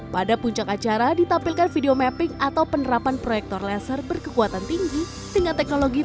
pada puncak acara ditampilkan video mapping atau penerapan proyektor laser berkekuatan tinggi dengan teknologi